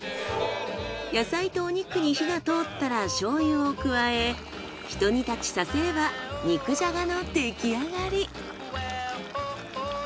野菜とお肉に火が通ったら醤油を加えひと煮立ちさせれば肉じゃがの出来上がり。